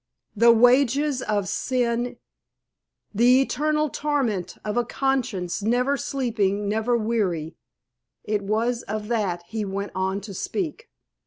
"The wages of sin the eternal torment of a conscience never sleeping, never weary!" It was of that he went on to speak.